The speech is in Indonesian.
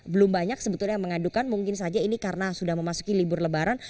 belum banyak sebetulnya yang mengadukan mungkin saja ini karena sudah memasuki libur lebaran